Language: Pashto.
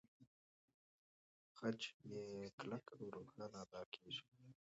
خج يې کلک او روښانه ادا کېږي.